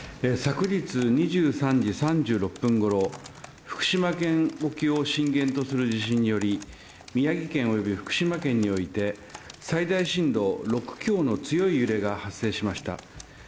昨日２３時３６分頃、福島県沖を震源とする地震により、宮城県および福島県において最大震度６強の強い揺れが発生しました。